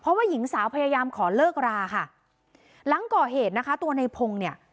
เพราะว่าหญิงสาวพยายามขอเลิกราค่ะหลังก่อเหตุนะคะตัวในพงศ์เนี่ย